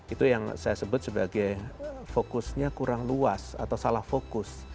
itu yang saya sebut sebagai fokusnya kurang luas atau salah fokus